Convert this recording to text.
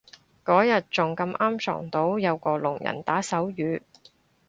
嗰日仲咁啱撞到有個聾人打手語